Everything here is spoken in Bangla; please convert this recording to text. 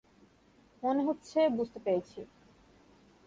মনে হচ্ছে বুঝতে পেরেছি।